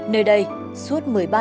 nơi đây suốt một mươi ba năm